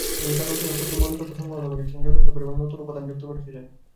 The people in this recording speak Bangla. তিনি তার রচনায় প্রচুর মৌলিকত্ব সংহত করেছিলেন, যথেষ্ট পরিমাণে নতুন উপাদান যুক্ত করেছিলেন।